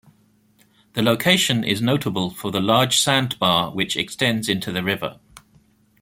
The location is notable for the large sandbar which extends into the River.